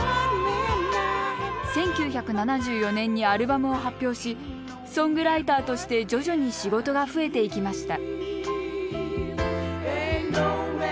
１９７４年にアルバムを発表しソングライターとして徐々に仕事が増えていきました